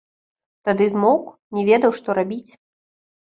Тады змоўк, не ведаў, што рабіць.